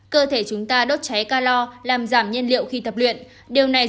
cơ thể chúng ta đốt cháy calor làm giảm nhân liệu khi tập luyện